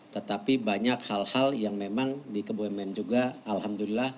tetapi banyak hal hal yang memang di kebumen juga alhamdulillah